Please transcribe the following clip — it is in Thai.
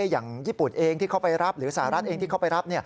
อย่างญี่ปุ่นเองที่เขาไปรับหรือสหรัฐเองที่เขาไปรับ